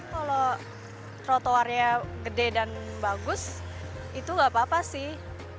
kalau trotoarnya gede dan bagus itu gak apa apa sih